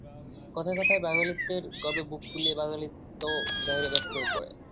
কথায় কথায় বাঙালিত্বের গর্বে বুক ফুলিয়ে বাঙালিত্ব জাহিরে ব্যস্ত হয়ে পড়ে।